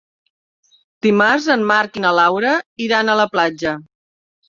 Dimarts en Marc i na Laura iran a la platja.